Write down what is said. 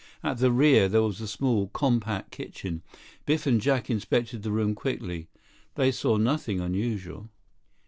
At the rear there was a small, compact kitchen. Biff and Jack inspected the room quickly. They saw nothing unusual.